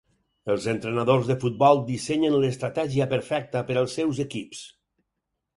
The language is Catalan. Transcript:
Els entrenadors de futbol dissenyen l'estratègia perfecta per als seus equips.